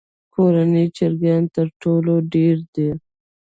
کورني چرګان تر ټولو ډېر دي.